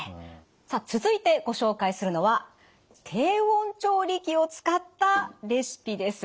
さあ続いてご紹介するのは低温調理器を使ったレシピです。